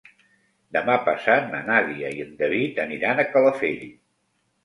Demà passat na Nàdia i en David aniran a Calafell.